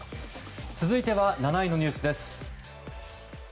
続いては７位のニュースです。